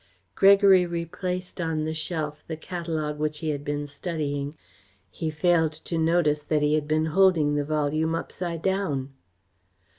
Gregory replaced on the shelf the catalogue which he had been studying. He failed to notice that he had been holding the volume upside down.